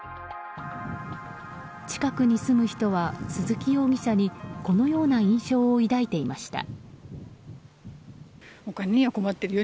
近くに住む人は、鈴木容疑者にこのような印象を抱いていました。